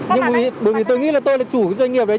nhưng bởi vì tôi nghĩ là tôi là chủ doanh nghiệp đấy